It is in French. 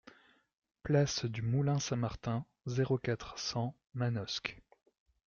Place du Moulin Saint-Martin, zéro quatre, cent Manosque